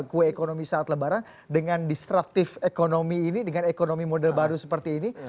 kue ekonomi saat lebaran dengan disruptive economy ini dengan ekonomi model baru seperti ini